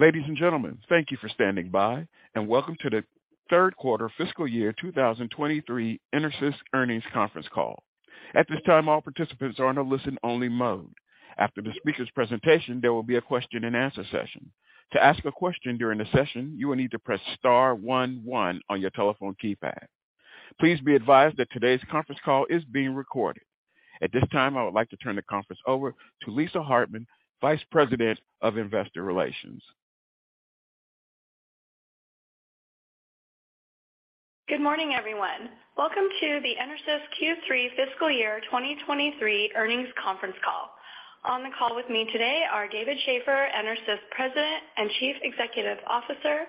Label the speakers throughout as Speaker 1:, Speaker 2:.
Speaker 1: Ladies and gentlemen, thank you for standing by. Welcome to the third quarter fiscal year 2023 EnerSys Carnings conference Call. At this time, all participants are in a listen-only mode. After the speaker's presentation, there will be a question-and-answer session. To ask a question during the session, you will need to press star 11 on your telephone keypad. Please be advised that today's conference call is being recorded. At this time, I would like to turn the conference over to Lisa Hartman, Vice President of Investor Relations.
Speaker 2: Good morning, everyone. Welcome to the EnerSys Q3 fiscal year 2023 earnings conference call. On the call with me today are David Shaffer, EnerSys President and Chief Executive Officer,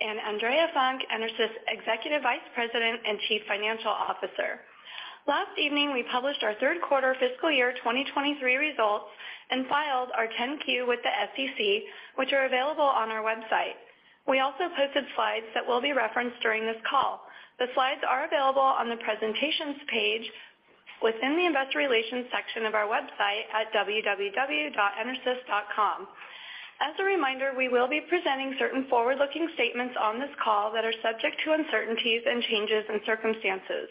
Speaker 2: and Andrea Funk, EnerSys Executive Vice President and Chief Financial Officer. Last evening, we published our third quarter fiscal year 2023 results and filed our 10-Q with the SEC, which are available on our website. We also posted slides that will be referenced during this call. The slides are available on the presentations page within the investor relations section of our website at www.enersys.com. As a reminder, we will be presenting certain forward-looking statements on this call that are subject to uncertainties and changes in circumstances.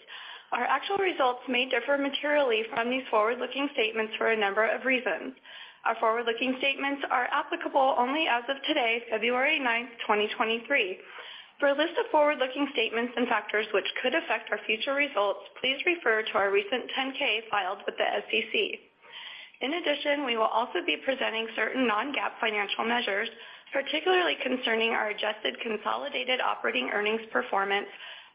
Speaker 2: Our actual results may differ materially from these forward-looking statements for a number of reasons. Our forward-looking statements are applicable only as of today, February ninth, 2023. For a list of forward-looking statements and factors which could affect our future results, please refer to our recent 10-K filed with the SEC. In addition, we will also be presenting certain non-GAAP financial measures, particularly concerning our adjusted consolidated operating earnings performance,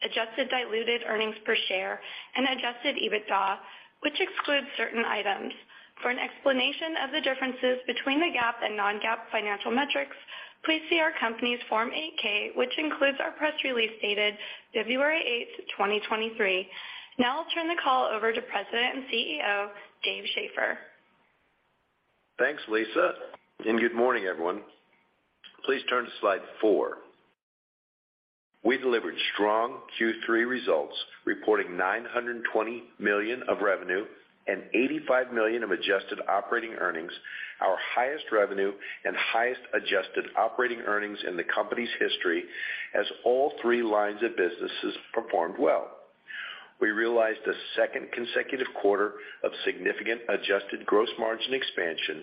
Speaker 2: adjusted diluted earnings per share, and Adjusted EBITDA, which excludes certain items. For an explanation of the differences between the GAAP and non-GAAP financial metrics, please see our company's Form 8-K, which includes our press release dated February 8, 2023. Now I'll turn the call over to President and CEO, Dave Shaffer.
Speaker 3: Thanks, Lisa. Good morning, everyone. Please turn to slide 4. We delivered strong Q3 results, reporting $920 million of revenue and $85 million of adjusted operating earnings, our highest revenue and highest adjusted operating earnings in the company's history as all three lines of businesses performed well. We realized a second consecutive quarter of significant adjusted gross margin expansion,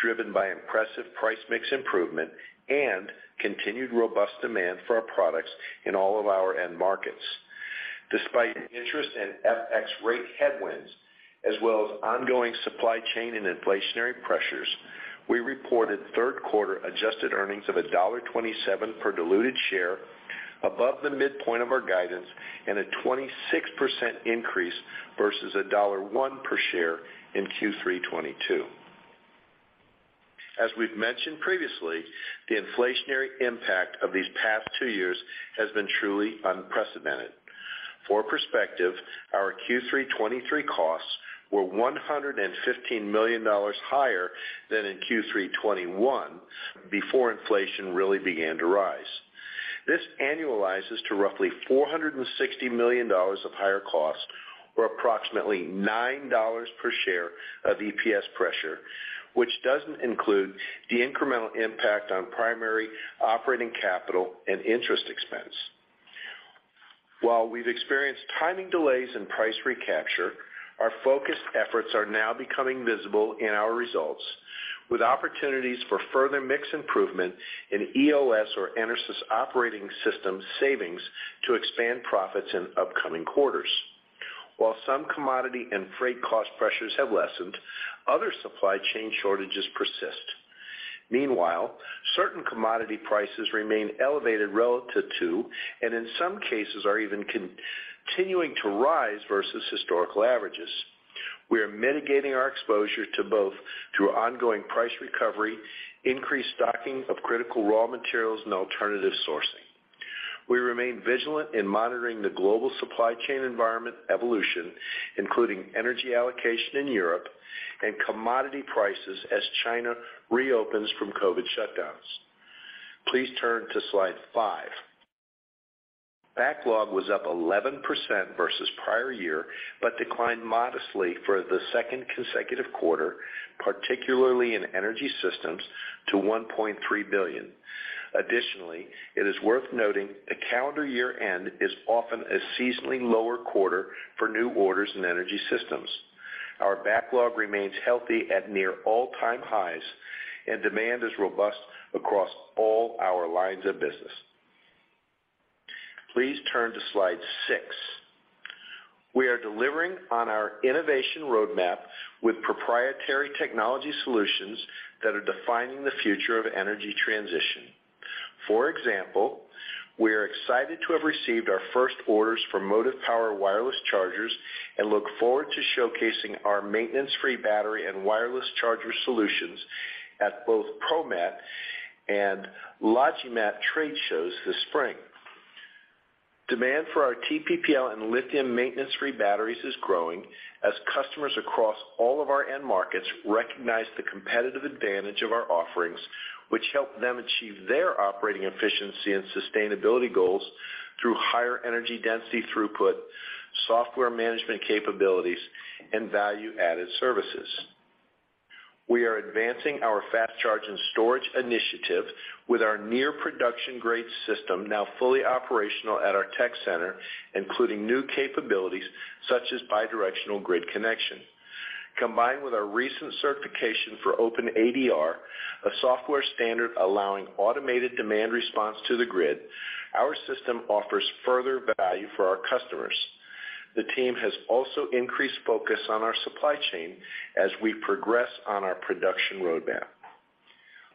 Speaker 3: driven by impressive price mix improvement and continued robust demand for our products in all of our end markets. Despite interest and FX rate headwinds, as well as ongoing supply chain and inflationary pressures, we reported third-quarter adjusted earnings of $1.27 per diluted share above the midpoint of our guidance and a 26% increase versus $1.01 per share in Q3 2022. As we've mentioned previously, the inflationary impact of these past two years has been truly unprecedented. For perspective, our Q3 2023 costs were $115 million higher than in Q3 2021 before inflation really began to rise. This annualizes to roughly $460 million of higher costs or approximately $9 per share of EPS pressure, which doesn't include the incremental impact on primary operating capital and interest expense. While we've experienced timing delays in price recapture, our focused efforts are now becoming visible in our results with opportunities for further mix improvement in EOS or EnerSys Operating System savings to expand profits in upcoming quarters. While some commodity and freight cost pressures have lessened, other supply chain shortages persist. Meanwhile, certain commodity prices remain elevated relative to, and in some cases are even continuing to rise versus historical averages. We are mitigating our exposure to both through ongoing price recovery, increased stocking of critical raw materials, and alternative sourcing. We remain vigilant in monitoring the global supply chain environment evolution, including energy allocation in Europe and commodity prices as China reopens from COVID shutdowns. Please turn to slide five. Backlog was up 11% versus prior year, but declined modestly for the second consecutive quarter, particularly in Energy Systems, to $1.3 billion. Additionally, it is worth noting a calendar year-end is often a seasonally lower quarter for new orders in Energy Systems. Our backlog remains healthy at near all-time highs, and demand is robust across all our lines of business. Please turn to slide six. We are delivering on our innovation roadmap with proprietary technology solutions that are defining the future of energy transition. For example, we are excited to have received our first orders for MotivePower wireless chargers and look forward to showcasing our maintenance-free battery and wireless charger solutions at both ProMat and LogiMat trade shows this spring. Demand for our TPPL and lithium maintenance-free batteries is growing as customers across all of our end markets recognize the competitive advantage of our offerings, which help them achieve their operating efficiency and sustainability goals through higher energy density throughput, software management capabilities, and value-added services. We are advancing our fast charge and storage initiative with our near production grade system now fully operational at our tech center, including new capabilities such as bi-directional grid connection. Combined with our recent certification for OpenADR, a software standard allowing automated demand response to the grid, our system offers further value for our customers. The team has also increased focus on our supply chain as we progress on our production roadmap.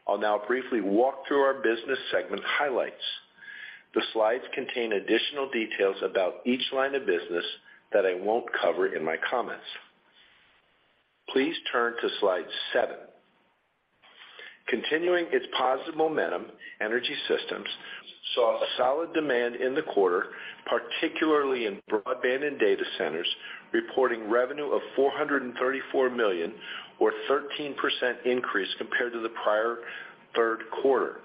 Speaker 3: I'll now briefly walk through our business segment highlights. The slides contain additional details about each line of business that I won't cover in my comments. Please turn to slide seven. Continuing its positive momentum, Energy Systems saw a solid demand in the quarter, particularly in broadband and data centers, reporting revenue of $434 million, or a 13% increase compared to the prior third quarter.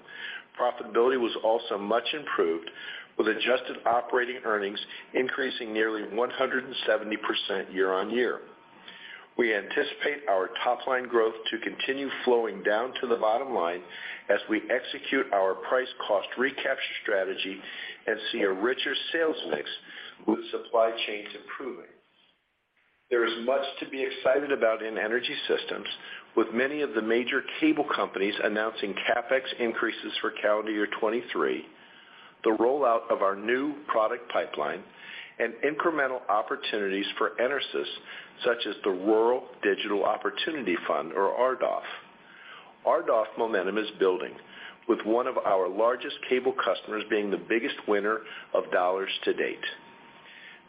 Speaker 3: Profitability was also much improved, with adjusted operating earnings increasing nearly 170% year-over-year. We anticipate our top line growth to continue flowing down to the bottom line as we execute our price cost recapture strategy and see a richer sales mix with supply chains improving. There is much to be excited about in Energy Systems, with many of the major cable companies announcing CapEx increases for calendar year 2023, the rollout of our new product pipeline, and incremental opportunities for EnerSys, such as the Rural Digital Opportunity Fund, or RDOF. RDOF momentum is building, with one of our largest cable customers being the biggest winner of dollars to date.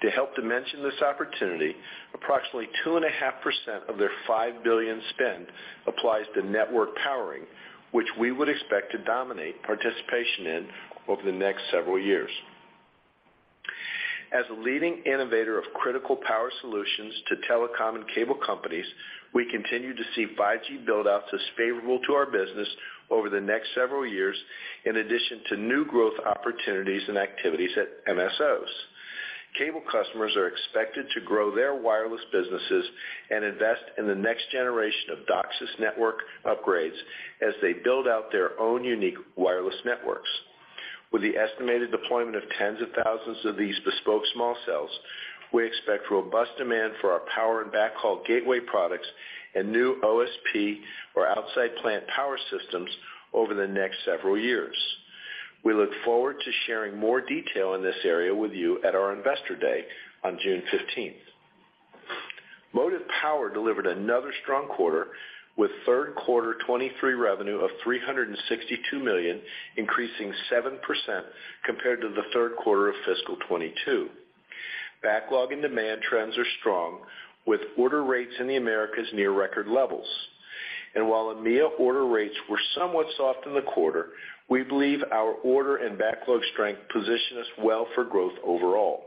Speaker 3: To help dimension this opportunity, approximately 2.5% of their $5 billion spend applies to network powering, which we would expect to dominate participation in over the next several years. As a leading innovator of critical power solutions to telecom and cable companies, we continue to see 5G build-outs as favorable to our business over the next several years, in addition to new growth opportunities and activities at MSOs. Cable customers are expected to grow their wireless businesses and invest in the next generation of DOCSIS network upgrades as they build out their own unique wireless networks. With the estimated deployment of tens of thousands of these bespoke small cells, we expect robust demand for our power and backhaul gateway products and new OSP, or Outside Plant Power Systems, over the next several years. We look forward to sharing more detail in this area with you at our Investor Day on June 15th. Motive Power delivered another strong quarter with third quarter 2023 revenue of $362 million, increasing 7% compared to the third quarter of fiscal 2022. Backlog and demand trends are strong, with order rates in the Americas near record levels. While EMEA order rates were somewhat soft in the quarter, we believe our order and backlog strength position us well for growth overall.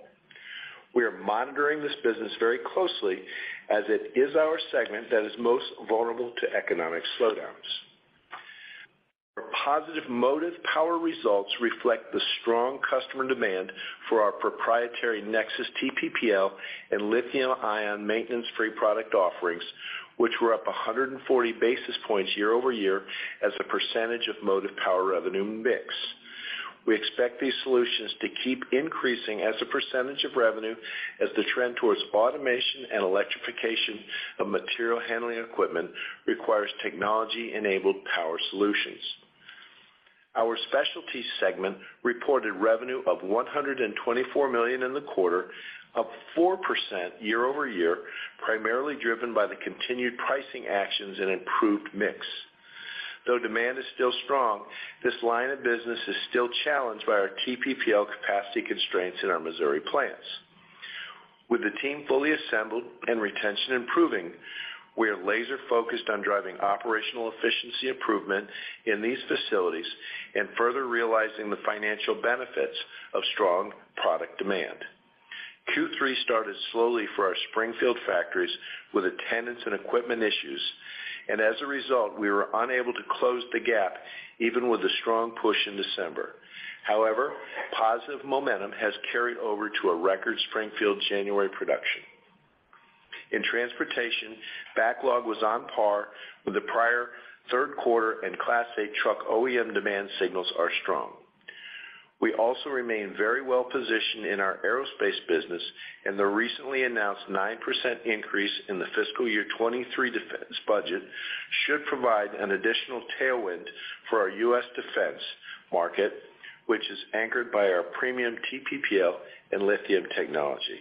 Speaker 3: We are monitoring this business very closely as it is our segment that is most vulnerable to economic slowdowns. Our positive Motive Power results reflect the strong customer demand for our proprietary NexSys TPPL and lithium-ion maintenance-free product offerings, which were up 140 basis points year-over-year as a percentage of Motive Power revenue mix. We expect these solutions to keep increasing as a percentage of revenue as the trend towards automation and electrification of material handling equipment requires technology-enabled power solutions. Our Specialties segment reported revenue of $124 million in the quarter, up 4% year-over-year, primarily driven by the continued pricing actions and improved mix. Though demand is still strong, this line of business is still challenged by our TPPL capacity constraints in our Missouri plants. With the team fully assembled and retention improving, we are laser-focused on driving operational efficiency improvement in these facilities and further realizing the financial benefits of strong product demand. Q3 started slowly for our Springfield factories with attendance and equipment issues, and as a result, we were unable to close the gap even with a strong push in December. However, positive momentum has carried over to a record Springfield January production. In transportation, backlog was on par with the prior third quarter and Class eight truck OEM demand signals are strong. We also remain very well positioned in our aerospace business, and the recently announced 9% increase in the fiscal year 2023 defense budget should provide an additional tailwind for our U.S. defense market, which is anchored by our premium TPPL and lithium technology.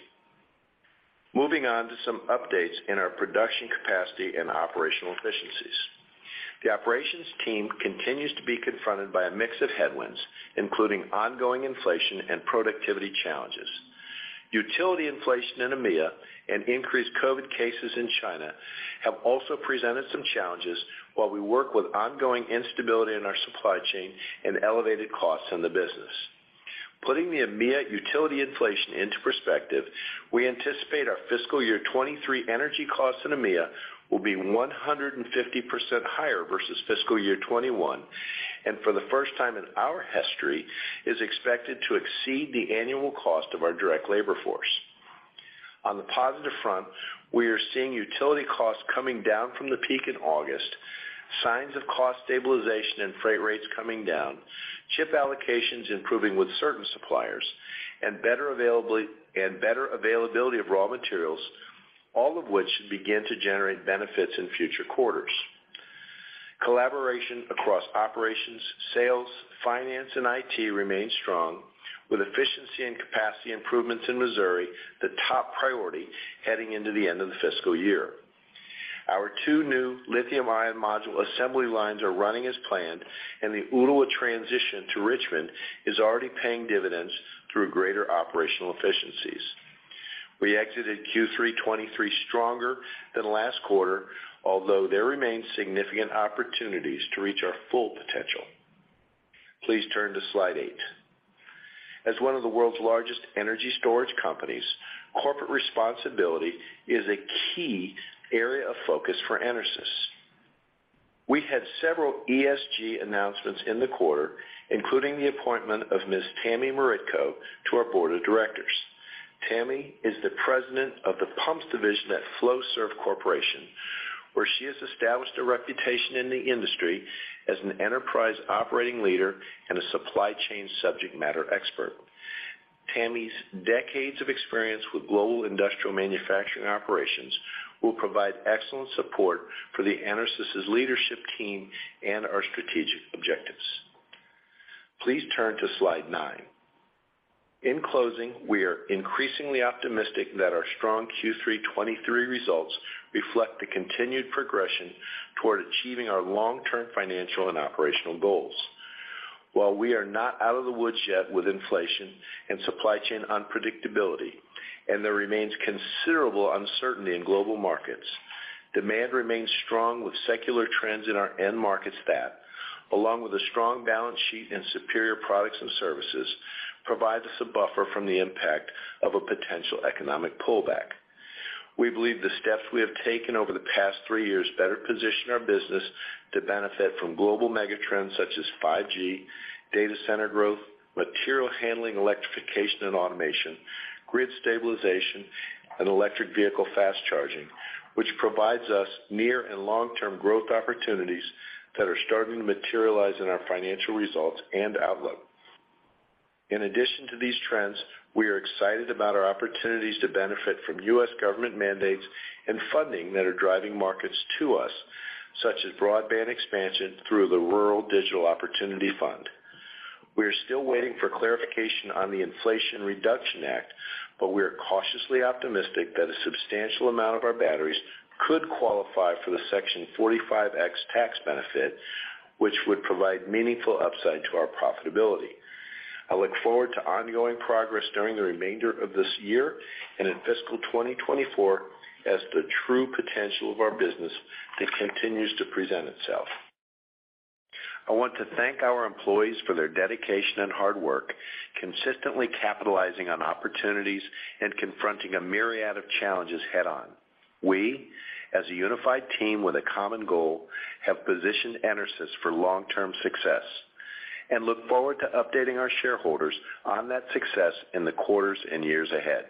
Speaker 3: Moving on to some updates in our production capacity and operational efficiencies. The operations team continues to be confronted by a mix of headwinds, including ongoing inflation and productivity challenges. Utility inflation in EMEA and increased COVID cases in China have also presented some challenges while we work with ongoing instability in our supply chain and elevated costs in the business. Putting the EMEA utility inflation into perspective, we anticipate our fiscal year 2023 energy costs in EMEA will be 150% higher versus fiscal year 2021, and for the first time in our history, is expected to exceed the annual cost of our direct labor force. On the positive front, we are seeing utility costs coming down from the peak in August, signs of cost stabilization and freight rates coming down, chip allocations improving with certain suppliers, and better availability of raw materials, all of which should begin to generate benefits in future quarters. Collaboration across operations, sales, finance, and IT remains strong, with efficiency and capacity improvements in Missouri the top priority heading into the end of the fiscal year. Our two new lithium-ion module assembly lines are running as planned. The Ooltewah transition to Richmond is already paying dividends through greater operational efficiencies. We exited Q3 '23 stronger than last quarter, although there remains significant opportunities to reach our full potential. Please turn to slide eight. As one of the world's largest energy storage companies, corporate responsibility is a key area of focus for EnerSys. We had several ESG announcements in the quarter, including the appointment of Ms. Tammy Morytko to our board of directors. Tammy is the President of the Pumps Division at Flowserve Corporation, where she has established a reputation in the industry as an enterprise operating leader and a supply chain subject matter expert. Tammy's decades of experience with global industrial manufacturing operations will provide excellent support for the EnerSys' leadership team and our strategic objectives. Please turn to slide nine. In closing, we are increasingly optimistic that our strong Q3 2023 results reflect the continued progression toward achieving our long-term financial and operational goals. While we are not out of the woods yet with inflation and supply chain unpredictability, and there remains considerable uncertainty in global markets, demand remains strong with secular trends in our end markets that, along with a strong balance sheet and superior products and services, provides us a buffer from the impact of a potential economic pullback. We believe the steps we have taken over the past three years better position our business to benefit from global mega trends such as 5G, data center growth, material handling, electrification and automation, grid stabilization, and electric vehicle fast charging, which provides us near and long-term growth opportunities that are starting to materialize in our financial results and outlook. In addition to these trends, we are excited about our opportunities to benefit from U.S. government mandates and funding that are driving markets to us, such as broadband expansion through the Rural Digital Opportunity Fund. We are still waiting for clarification on the Inflation Reduction Act, we are cautiously optimistic that a substantial amount of our batteries could qualify for the Section 45X tax benefit, which would provide meaningful upside to our profitability. I look forward to ongoing progress during the remainder of this year and in fiscal 2024 as the true potential of our business that continues to present itself. I want to thank our employees for their dedication and hard work, consistently capitalizing on opportunities and confronting a myriad of challenges head on. We, as a unified team with a common goal, have positioned EnerSys for long-term success and look forward to updating our shareholders on that success in the quarters and years ahead.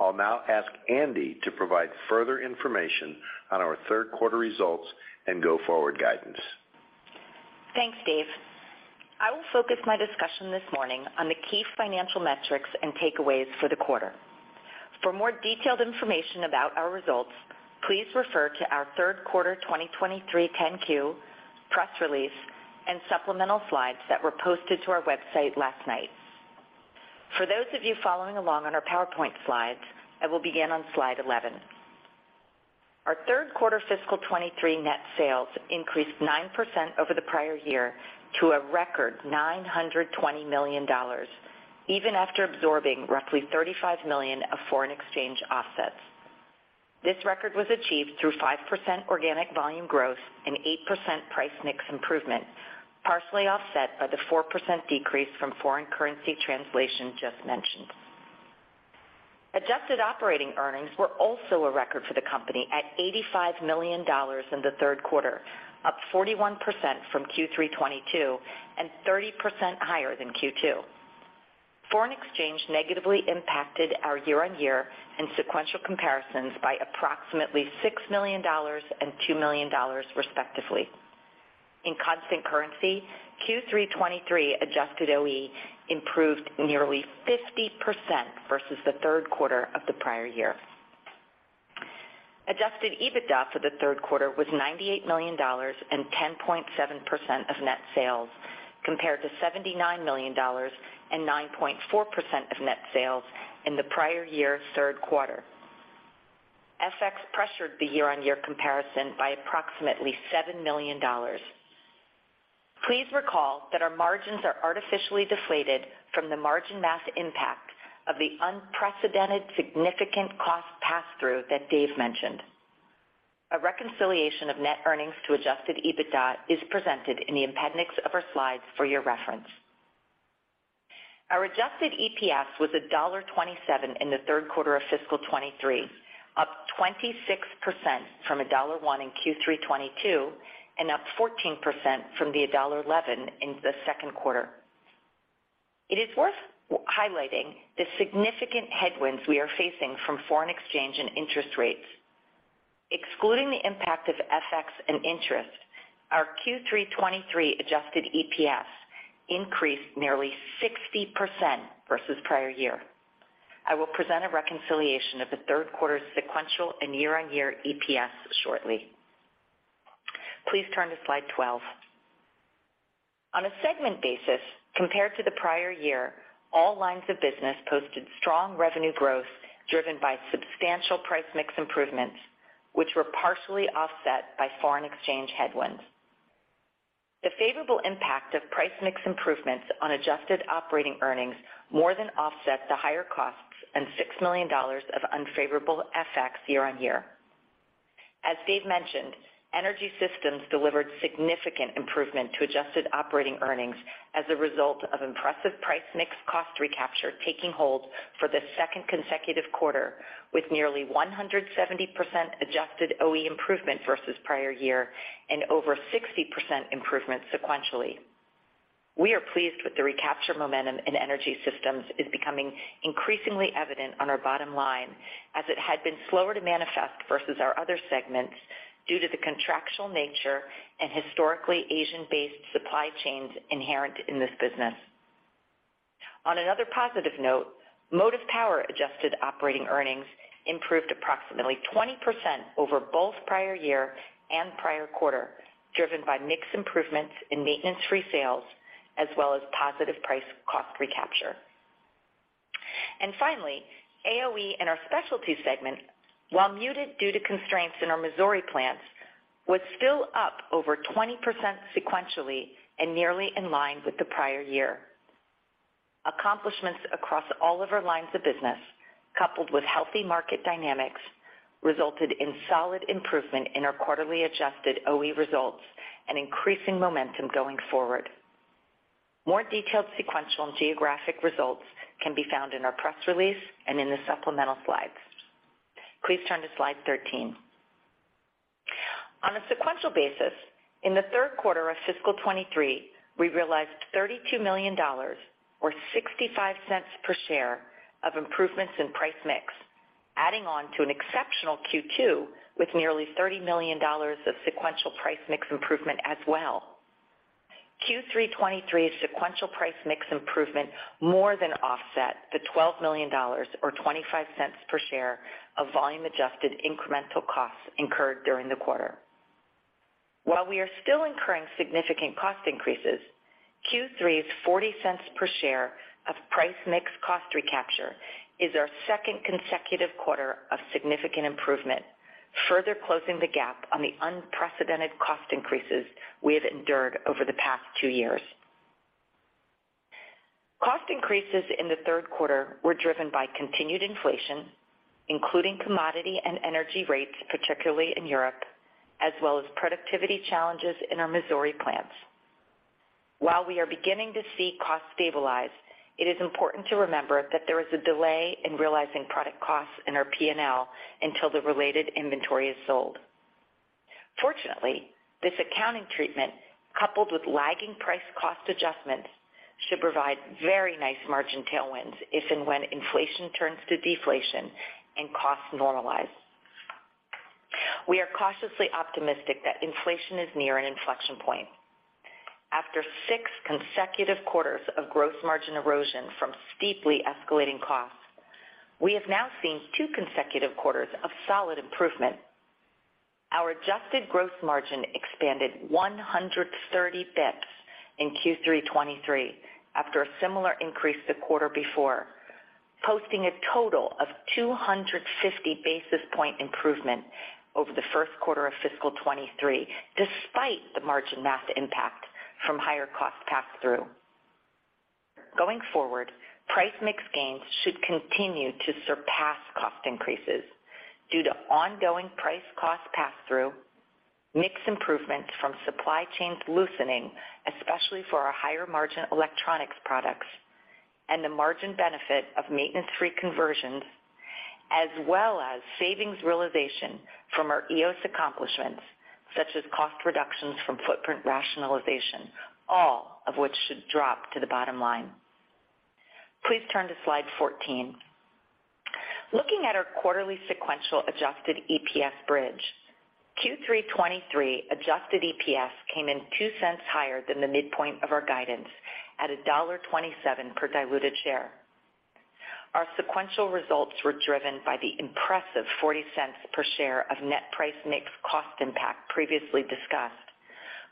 Speaker 3: I'll now ask Andi to provide further information on our third quarter results and go forward guidance.
Speaker 4: Thanks, Dave. I will focus my discussion this morning on the key financial metrics and takeaways for the quarter. For more detailed information about our results, please refer to our third quarter 2023 10-Q, press release, and supplemental slides that were posted to our website last night. For those of you following along on our PowerPoint slides, I will begin on slide 11. Our third quarter fiscal 2023 net sales increased 9% over the prior year to a record $920 million, even after absorbing roughly $35 million of foreign exchange offsets. This record was achieved through 5% organic volume growth and 8% price mix improvement, partially offset by the 4% decrease from foreign currency translation just mentioned. Adjusted operating earnings were also a record for the company at $85 million in the third quarter, up 41% from Q3 '22 and 30% higher than Q2. Foreign exchange negatively impacted our year-on-year and sequential comparisons by approximately $6 million and $2 million, respectively. In constant currency, Q3 '23 adjusted OE improved nearly 50% versus the third quarter of the prior year. Adjusted EBITDA for the third quarter was $98 million and 10.7% of net sales, compared to $79 million and 9.4% of net sales in the prior year third quarter. FX pressured the year-on-year comparison by approximately $7 million. Please recall that our margins are artificially deflated from the margin math impact of the unprecedented significant cost pass-through that Dave mentioned. A reconciliation of net earnings to Adjusted EBITDA is presented in the appendix of our slides for your reference. Our adjusted EPS was $1.27 in the third quarter of fiscal 2023. Up 26% from $1.01 in Q3 2022 and up 14% from $1.11 in the second quarter. It is worth highlighting the significant headwinds we are facing from foreign exchange and interest rates. Excluding the impact of FX and interest, our Q3 2023 adjusted EPS increased nearly 60% versus prior year. I will present a reconciliation of the third quarter sequential and year-on-year EPS shortly. Please turn to Slide 12. On a segment basis, compared to the prior year, all lines of business posted strong revenue growth driven by substantial price mix improvements, which were partially offset by foreign exchange headwinds. The favorable impact of price mix improvements on adjusted operating earnings more than offset the higher costs and $6 million of unfavorable FX year-on-year. As Dave mentioned, Energy Systems delivered significant improvement to adjusted operating earnings as a result of impressive price mix cost recapture taking hold for the second consecutive quarter with nearly 170% adjusted OE improvement versus prior-year and over 60% improvement sequentially. We are pleased with the recapture momentum in Energy Systems is becoming increasingly evident on our bottom line as it had been slower to manifest versus our other segments due to the contractual nature and historically Asian-based supply chains inherent in this business. On another positive note, Motive Power adjusted operating earnings improved approximately 20% over both prior-year and prior-quarter, driven by mix improvements in maintenance-free sales as well as positive price cost recapture. Finally, AOE in our Specialty segment, while muted due to constraints in our Missouri plants, was still up over 20% sequentially and nearly in line with the prior year. Accomplishments across all of our lines of business, coupled with healthy market dynamics, resulted in solid improvement in our quarterly adjusted OE results and increasing momentum going forward. More detailed sequential and geographic results can be found in our press release and in the supplemental slides. Please turn to Slide 13. On a sequential basis, in the third quarter of fiscal 2023, we realized $32 million or $0.65 per share of improvements in price mix, adding on to an exceptional Q2 with nearly $30 million of sequential price mix improvement as well. Q3 2023's sequential price mix improvement more than offset the $12 million or $0.25 per share of volume-adjusted incremental costs incurred during the quarter. While we are still incurring significant cost increases, Q3's $0.40 per share of price mix cost recapture is our second consecutive quarter of significant improvement, further closing the gap on the unprecedented cost increases we have endured over the past two years. Cost increases in the third quarter were driven by continued inflation, including commodity and energy rates, particularly in Europe, as well as productivity challenges in our Missouri plants. While we are beginning to see costs stabilize, it is important to remember that there is a delay in realizing product costs in our P&L until the related inventory is sold. Fortunately, this accounting treatment coupled with lagging price cost adjustments should provide very nice margin tailwinds if and when inflation turns to deflation and costs normalize. We are cautiously optimistic that inflation is near an inflection point. After six consecutive quarters of gross margin erosion from steeply escalating costs, we have now seen two consecutive quarters of solid improvement. Our adjusted gross margin expanded 130 basis points in Q3 2023 after a similar increase the quarter before, posting a total of 250 basis point improvement over the first quarter of fiscal 2023, despite the margin math impact from higher cost pass-through. Going forward, price mix gains should continue to surpass cost increases due to ongoing price cost pass-through, mix improvements from supply chains loosening, especially for our higher margin electronics products, and the margin benefit of maintenance-free conversions, as well as savings realization from our EOS accomplishments, such as cost reductions from footprint rationalization, all of which should drop to the bottom line. Please turn to Slide 14. Looking at our quarterly sequential adjusted EPS bridge, Q3 '23 adjusted EPS came in $0.02 higher than the midpoint of our guidance at $1.27 per diluted share. Our sequential results were driven by the impressive $0.40 per share of net price mix cost impact previously discussed,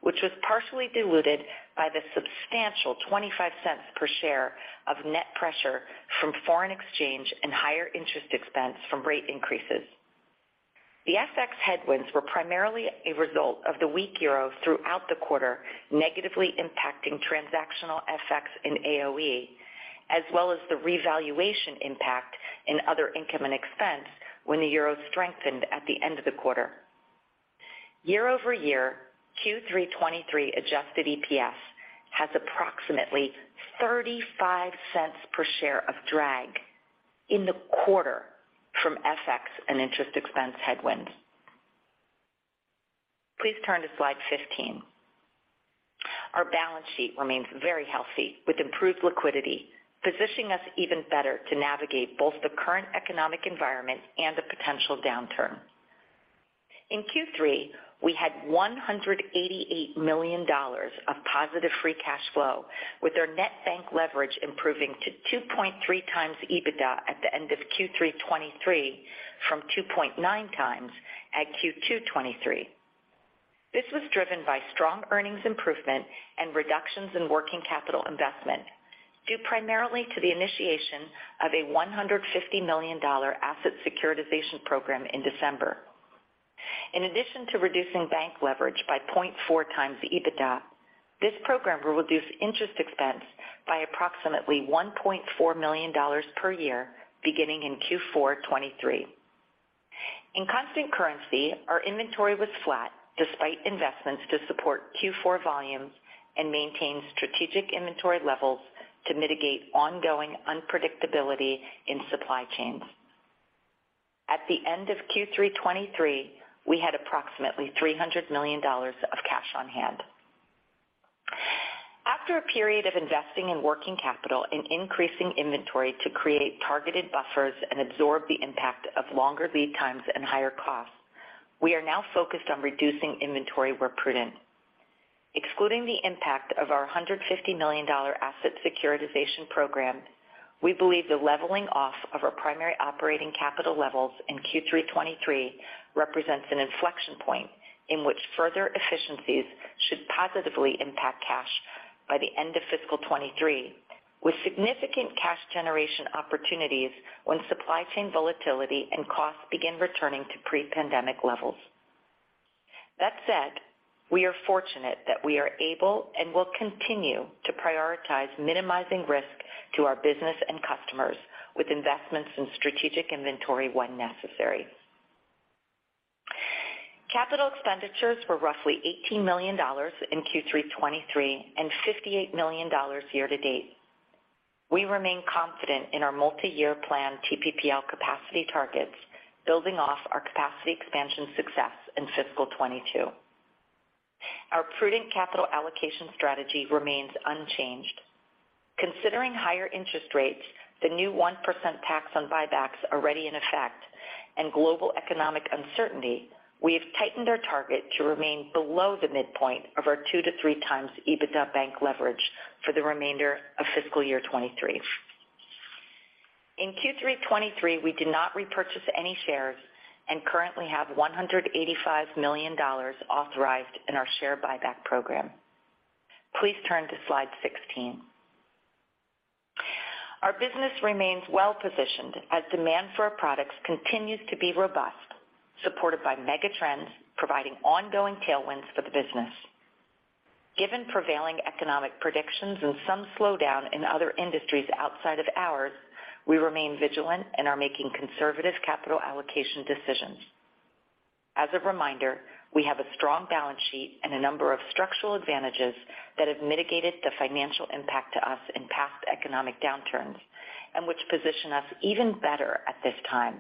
Speaker 4: which was partially diluted by the substantial $0.25 per share of net pressure from foreign exchange and higher interest expense from rate increases. The FX headwinds were primarily a result of the weak euro throughout the quarter negatively impacting transactional FX in AOE, as well as the revaluation impact in other income and expense when the euro strengthened at the end of the quarter. Year-over-year Q3 '23 adjusted EPS has approximately $0.35 per share of drag in the quarter from FX and interest expense headwinds. Please turn to slide 15. Our balance sheet remains very healthy with improved liquidity, positioning us even better to navigate both the current economic environment and the potential downturn. In Q3, we had $188 million of positive free cash flow, with our net bank leverage improving to 2.3 times EBITDA at the end of Q3 '23 from 2.9 times at Q2 '23. This was driven by strong earnings improvement and reductions in working capital investment, due primarily to the initiation of a $150 million asset securitization program in December. In addition to reducing bank leverage by 0.4 times EBITDA, this program will reduce interest expense by approximately $1.4 million per year beginning in Q4 '23. In constant currency, our inventory was flat despite investments to support Q4 volumes and maintain strategic inventory levels to mitigate ongoing unpredictability in supply chains. At the end of Q3 '23, we had approximately $300 million of cash on hand. After a period of investing in working capital and increasing inventory to create targeted buffers and absorb the impact of longer lead times and higher costs, we are now focused on reducing inventory where prudent. Excluding the impact of our $150 million asset securitization program, we believe the leveling off of our primary operating capital levels in Q3 '23 represents an inflection point in which further efficiencies should positively impact cash by the end of fiscal '23, with significant cash generation opportunities when supply chain volatility and costs begin returning to pre-pandemic levels. That said, we are fortunate that we are able and will continue to prioritize minimizing risk to our business and customers with investments in strategic inventory when necessary. Capital expenditures were roughly $18 million in Q3 2023 and $58 million year-to-date. We remain confident in our multiyear plan TPPL capacity targets, building off our capacity expansion success in fiscal 2022. Our prudent capital allocation strategy remains unchanged. Considering higher interest rates, the new 1% tax on buybacks already in effect and global economic uncertainty, we have tightened our target to remain below the midpoint of our 2x-3x EBITDA bank leverage for the remainder of fiscal year 2023. In Q3 2023, we did not repurchase any shares and currently have $185 million authorized in our share buyback program. Please turn to slide 16. Our business remains well-positioned as demand for our products continues to be robust, supported by megatrends providing ongoing tailwinds for the business. Given prevailing economic predictions and some slowdown in other industries outside of ours, we remain vigilant and are making conservative capital allocation decisions. As a reminder, we have a strong balance sheet and a number of structural advantages that have mitigated the financial impact to us in past economic downturns and which position us even better at this time.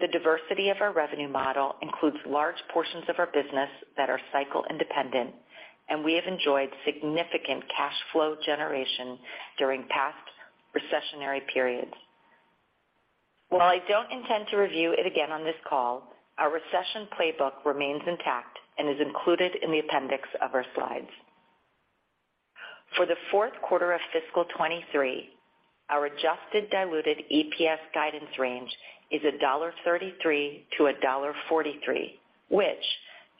Speaker 4: The diversity of our revenue model includes large portions of our business that are cycle independent, and we have enjoyed significant cash flow generation during past recessionary periods. While I don't intend to review it again on this call, our recession playbook remains intact and is included in the appendix of our slides. For the fourth quarter of fiscal 2023, our adjusted diluted EPS guidance range is $1.33-$1.43, which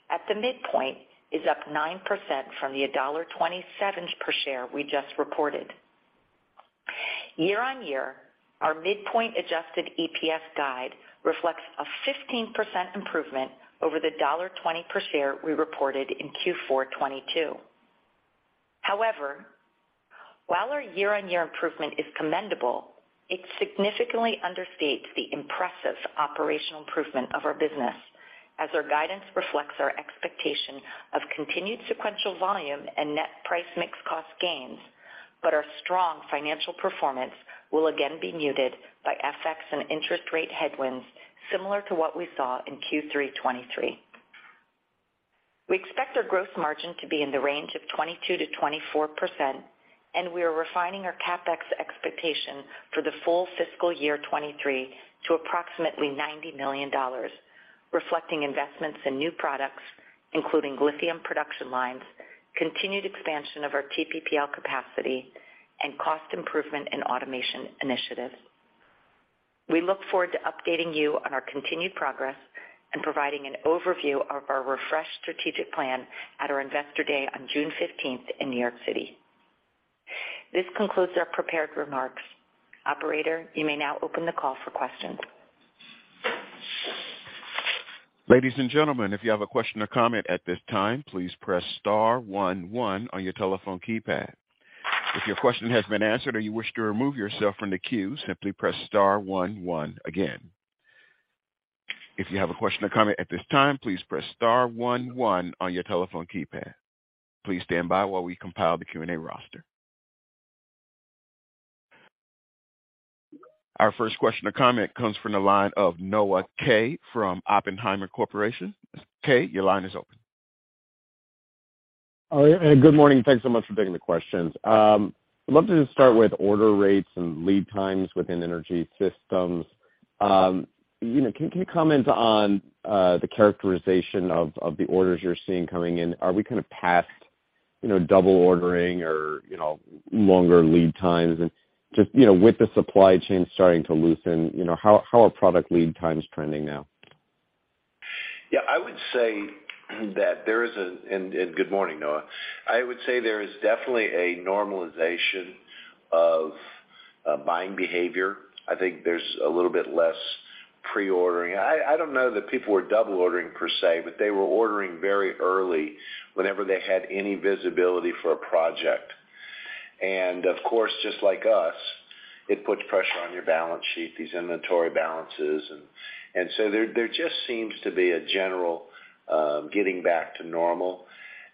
Speaker 4: at the midpoint is up 9% from the $1.27 per share we just reported. Year-over-year, our midpoint adjusted EPS guide reflects a 15% improvement over the $1.20 per share we reported in Q4 2022. However, while our year-over-year improvement is commendable, it significantly understates the impressive operational improvement of our business as our guidance reflects our expectation of continued sequential volume and net price mix cost gains. Our strong financial performance will again be muted by FX and interest rate headwinds, similar to what we saw in Q3 2023. We expect our gross margin to be in the range of 22%-24%, and we are refining our CapEx expectation for the full fiscal year 2023 to approximately $90 million, reflecting investments in new products, including lithium production lines, continued expansion of our TPPL capacity and cost improvement and automation initiatives. We look forward to updating you on our continued progress and providing an overview of our refreshed strategic plan at our Investor Day on June 15th in New York City. This concludes our prepared remarks. Operator, you may now open the call for questions.
Speaker 1: Ladies and gentlemen, if you have a question or comment at this time, please press star one one on your telephone keypad. If your question has been answered or you wish to remove yourself from the queue, simply press star one one again. If you have a question or comment at this time, please press star one one on your telephone keypad. Please stand by while we compile the Q&A roster. Our first question or comment comes from the line of Noah Kaye from Oppenheimer Corporation. Mr. Kaye, your line is open.
Speaker 5: Yeah. Good morning. Thanks so much for taking the questions. I'd love to just start with order rates and lead times within Energy Systems. you know, can you comment on the characterization of the orders you're seeing coming in? Are we kind of past, you know, double ordering or, you know, longer lead times? Just, you know, with the supply chain starting to loosen, you know, how are product lead times trending now?
Speaker 3: Good morning, Noah. I would say there is definitely a normalization of buying behavior. I think there's a little bit less pre-ordering. I don't know that people were double ordering per se, but they were ordering very early whenever they had any visibility for a project. Of course, just like us, it puts pressure on your balance sheet, these inventory balances. So there just seems to be a general getting back to normal.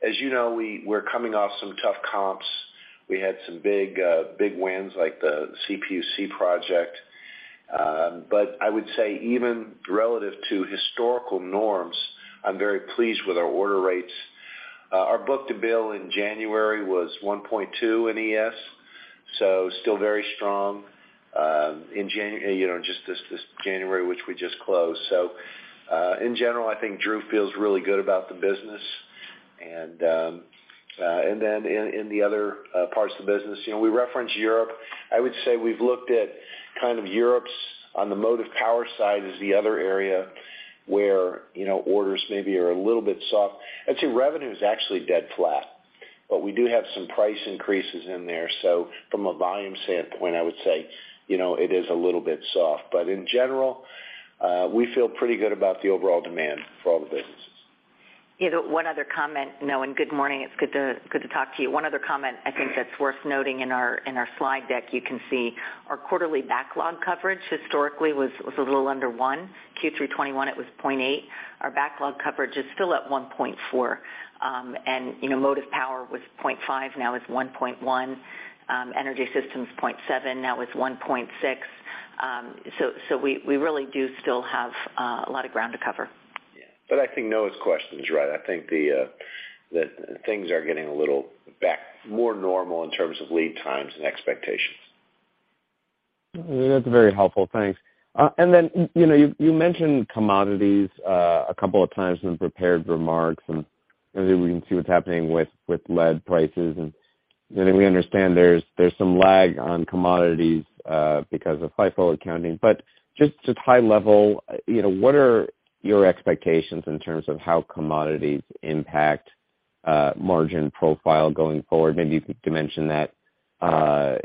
Speaker 3: As you know, we're coming off some tough comps. We had some big big wins like the CPUC project. I would say even relative to historical norms, I'm very pleased with our order rates. Our book to bill in January was 1.2 in ES, still very strong. You know, just this January, which we just closed. In general, I think Drew feels really good about the business. And then in the other parts of the business, you know, we referenced Europe. I would say we've looked at kind of Europe's on the Motive Power side is the other area where, you know, orders maybe are a little bit soft. I'd say revenue is actually dead flat, but we do have some price increases in there. From a volume standpoint, I would say, you know, it is a little bit soft. In general, we feel pretty good about the overall demand for all the businesses.
Speaker 4: Yeah. One other comment, Noah, good morning. It's good to talk to you. One other comment I think that's worth noting in our slide deck, you can see our quarterly backlog coverage historically was a little under one. Q3 2021, it was 0.8. Our backlog coverage is still at 1.4. You know, Motive Power was 0.5, now is 1.1. Energy Systems 0.7, now it's 1.6. We really do still have a lot of ground to cover.
Speaker 3: Yeah. I think Noah's question is right. I think that things are getting a little back more normal in terms of lead times and expectations.
Speaker 5: That's very helpful. Thanks. Then, you know, you mentioned commodities, a couple of times in the prepared remarks, and maybe we can see what's happening with lead prices. You know, we understand there's some lag on commodities, because of FIFO accounting. Just high level, you know, what are your expectations in terms of how commodities impact, margin profile going forward? Maybe you could mention that,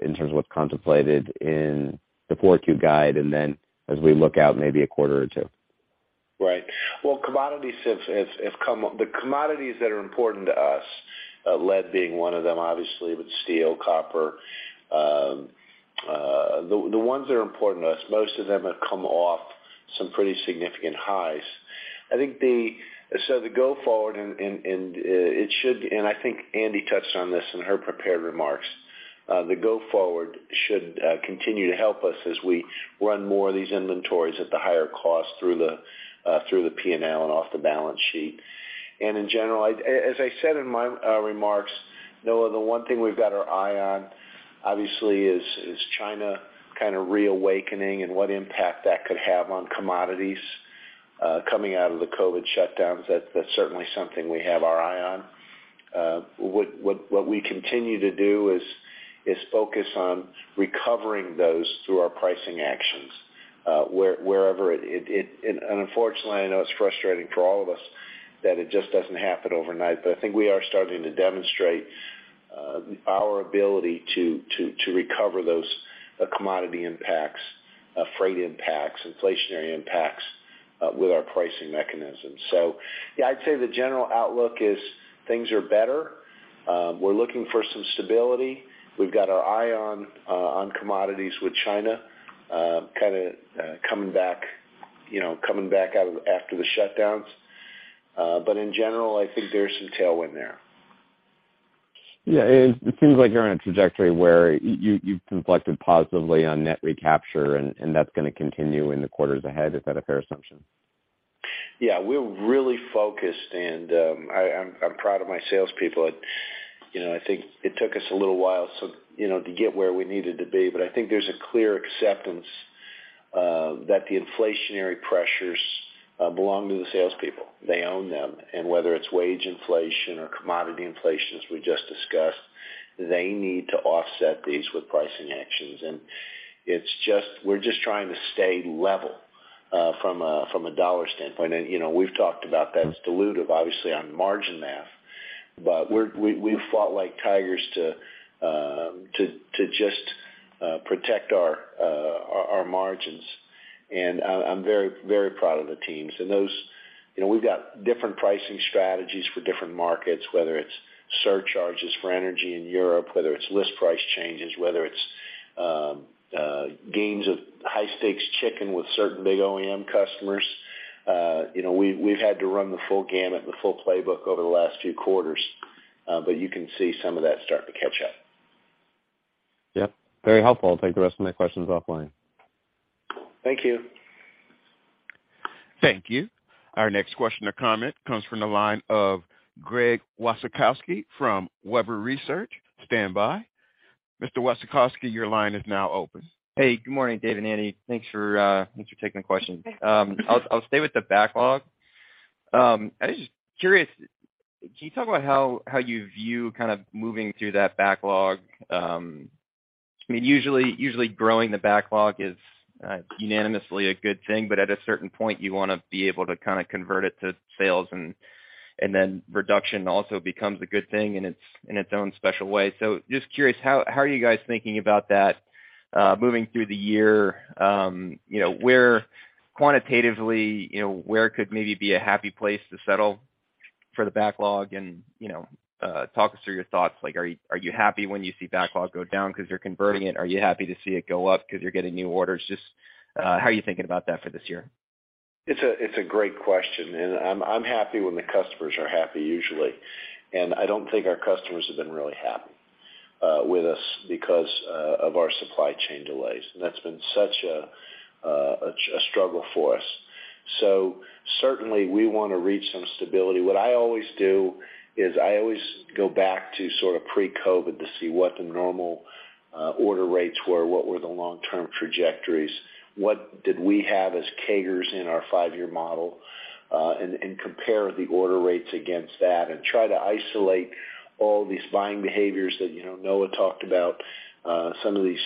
Speaker 5: in terms of what's contemplated in the 4Q guide and then as we look out maybe a quarter or two.
Speaker 3: Right. Well, commodities have come, the commodities that are important to us, lead being one of them, obviously, but steel, copper, the ones that are important to us, most of them have come off some pretty significant highs. The go forward and it should, and I think Andi touched on this in her prepared remarks, the go forward should continue to help us as we run more of these inventories at the higher cost through the P&L and off the balance sheet. In general, as I said in my remarks, Noah, the one thing we've got our eye on obviously is China kind of reawakening and what impact that could have on commodities coming out of the COVID shutdowns. That's certainly something we have our eye on. What we continue to do is focus on recovering those through our pricing actions, unfortunately, I know it's frustrating for all of us that it just doesn't happen overnight. I think we are starting to demonstrate our ability to recover those commodity impacts, freight impacts, inflationary impacts, with our pricing mechanisms. Yeah, I'd say the general outlook is things are better. We're looking for some stability. We've got our eye on commodities with China, kind of, coming back, you know, coming back out of after the shutdowns. In general, I think there's some tailwind there.
Speaker 5: Yeah. It seems like you're on a trajectory where you've conflicted positively on net recapture and that's gonna continue in the quarters ahead. Is that a fair assumption?
Speaker 3: We're really focused, and I'm proud of my salespeople. You know, I think it took us a little while, you know, to get where we needed to be. I think there's a clear acceptance that the inflationary pressures belong to the salespeople. They own them. Whether it's wage inflation or commodity inflation, as we just discussed, they need to offset these with pricing actions. We're just trying to stay level from a dollar standpoint. You know, we've talked about that's dilutive, obviously, on margin math, but we've fought like tigers to just protect our margins. I'm very proud of the teams. You know, we've got different pricing strategies for different markets, whether it's surcharges for energy in Europe, whether it's list price changes, whether it's gains of high stakes chicken with certain big OEM customers. You know, we've had to run the full gamut, the full playbook over the last few quarters, but you can see some of that starting to catch up.
Speaker 6: Yep, very helpful. I'll take the rest of my questions offline.
Speaker 3: Thank you.
Speaker 1: Thank you. Our next question or comment comes from the line of Greg Wasikowski from Webber Research. Standby. Mr. Wasikowski, your line is now open.
Speaker 6: Hey, good morning, Dave and Andy. Thanks for, thanks for taking the question. I'll stay with the backlog. I was just curious, can you talk about how you view kind of moving through that backlog? I mean, usually growing the backlog is unanimously a good thing, but at a certain point, you wanna be able to kind of convert it to sales and then reduction also becomes a good thing in its own special way. Just curious, how are you guys thinking about that moving through the year? You know, where quantitatively, you know, where could maybe be a happy place to settle for the backlog? You know, talk us through your thoughts. Like, are you happy when you see backlog go down 'cause you're converting it? Are you happy to see it go up 'cause you're getting new orders? Just, how are you thinking about that for this year?
Speaker 3: It's a great question, I'm happy when the customers are happy usually. I don't think our customers have been really happy with us because of our supply chain delays. That's been such a struggle for us. Certainly we wanna reach some stability. What I always do is I always go back to sort of pre-COVID to see what the normal order rates were, what were the long-term trajectories, what did we have as CAGRs in our five-year model and compare the order rates against that and try to isolate all these buying behaviors that, you know, Noah talked about. some of these,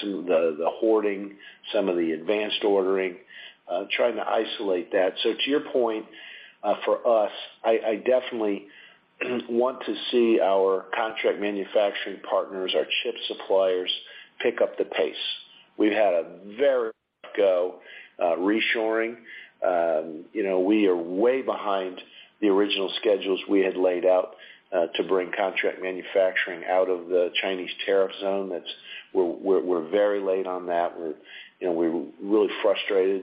Speaker 3: some of the hoarding, some of the advanced ordering, trying to isolate that. To your point, for us, I definitely want to see our contract manufacturing partners, our chip suppliers pick up the pace. We've had a very go reshoring. You know, we are way behind the original schedules we had laid out to bring contract manufacturing out of the Chinese tariff zone. That's. We're very late on that. We're, you know, we're really frustrated,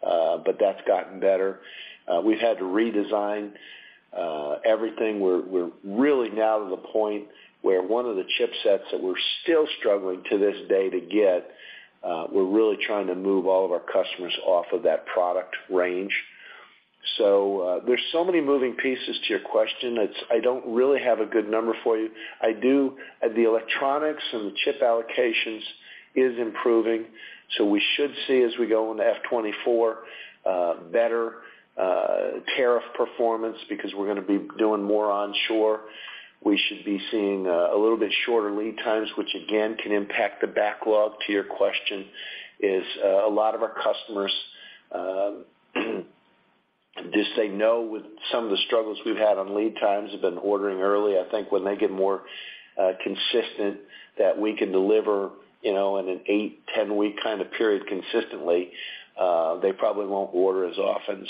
Speaker 3: but that's gotten better. We've had to redesign everything. We're, we're really now to the point where one of the chipsets that we're still struggling to this day to get, we're really trying to move all of our customers off of that product range. There's so many moving pieces to your question. It's. I don't really have a good number for you. I do... The electronics and the chip allocations is improving. We should see as we go into F '24, better tariff performance because we're gonna be doing more onshore. We should be seeing a little bit shorter lead times, which again, can impact the backlog to your question, is a lot of our customers just they know with some of the struggles we've had on lead times have been ordering early. I think when they get more consistent that we can deliver, you know, in an eight -10 week kind of period consistently, they probably won't order as often.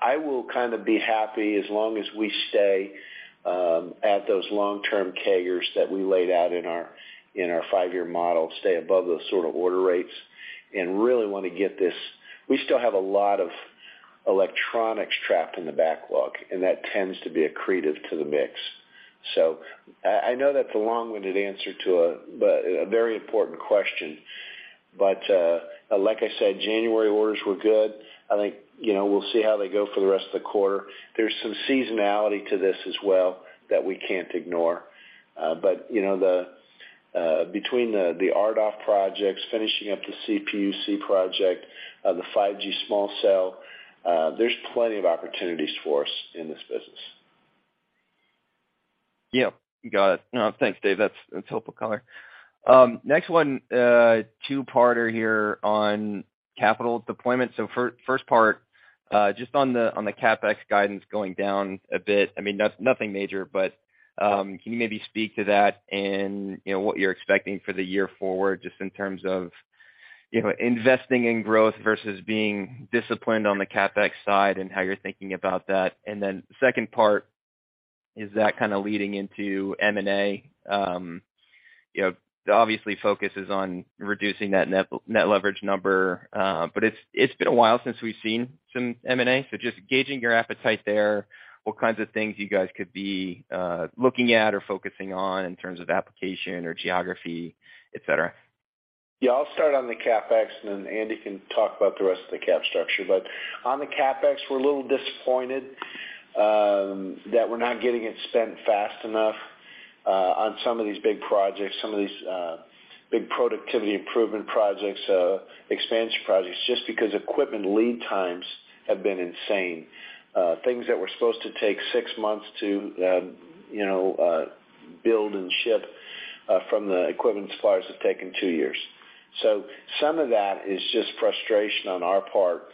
Speaker 3: I will kind of be happy as long as we stay at those long-term CAGRs that we laid out in our, in our five-year model, stay above those sort of order rates and really wanna get this... We still have a lot of electronics trapped in the backlog, and that tends to be accretive to the mix. I know that's a long-winded answer to a, but a very important question. Like I said, January orders were good. I think, you know, we'll see how they go for the rest of the quarter. There's some seasonality to this as well that we can't ignore. You know, between the RDOF projects, finishing up the CPUC project, the 5G small cell, there's plenty of opportunities for us in this business.
Speaker 6: Yeah. Got it. No, thanks, Dave. That's helpful color. Next one, two-parter here on capital deployment. First part, just on the CapEx guidance going down a bit. I mean, nothing major, but can you maybe speak to that and, you know, what you're expecting for the year forward just in terms of, you know, investing in growth versus being disciplined on the CapEx side and how you're thinking about that? Second part, is that kind of leading into M&A? You know, obviously focus is on reducing that net leverage number. But it's been a while since we've seen some M&A, so just gauging your appetite there, what kinds of things you guys could be looking at or focusing on in terms of application or geography, et cetera.
Speaker 3: I'll start on the CapEx, then Andy can talk about the rest of the cap structure. On the CapEx, we're a little disappointed that we're not getting it spent fast enough on some of these big projects, some of these big productivity improvement projects, expansion projects, just because equipment lead times have been insane. Things that were supposed to take six months to, you know, build and ship from the equipment suppliers have taken two years. Some of that is just frustration on our part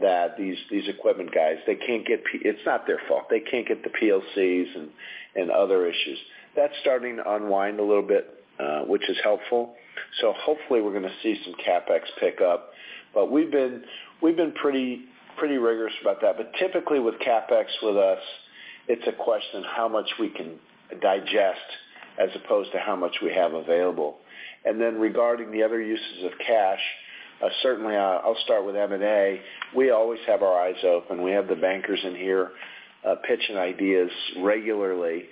Speaker 3: that these equipment guys, they can't get It's not their fault. They can't get the PLCs and other issues. That's starting to unwind a little bit, which is helpful. Hopefully we're gonna see some CapEx pick up. We've been pretty rigorous about that. Typically with CapEx with us. It's a question how much we can digest as opposed to how much we have available. Then regarding the other uses of cash, certainly, I'll start with M&A. We always have our eyes open. We have the bankers in here, pitching ideas regularly.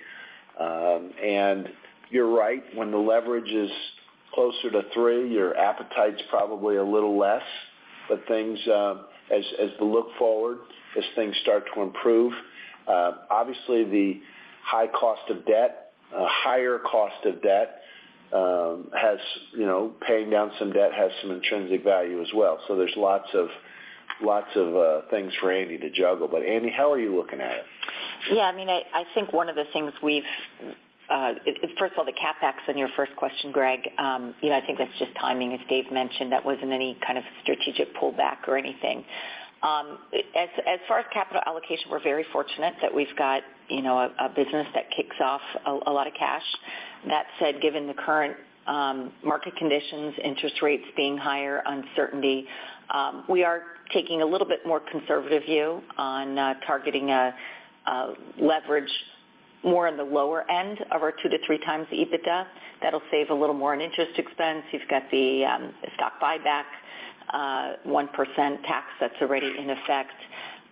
Speaker 3: You're right, when the leverage is closer to three, your appetite's probably a little less. Things, as we look forward, as things start to improve, obviously the high cost of debt, a higher cost of debt, has, you know, paying down some debt has some intrinsic value as well. There's lots of, lots of things for Amy to juggle. Amy, how are you looking at it?
Speaker 4: Yeah, I mean, I think one of the things we've, first of all, the CapEx in your first question, Greg, you know, I think that's just timing. As Dave mentioned, that wasn't any kind of strategic pullback or anything. As far as capital allocation, we're very fortunate that we've got, you know, a business that kicks off a lot of cash. That said, given the current market conditions, interest rates being higher, uncertainty, we are taking a little bit more conservative view on targeting a leverage more on the lower end of our two-three times EBITDA. That'll save a little more on interest expense. You've got the stock buyback, 1% tax that's already in effect.